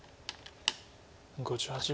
５８秒。